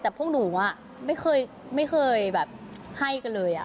แต่พวกหนูไม่เคยแบบให้กันเลย